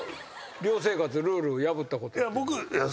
寮生活ルール破ったことって。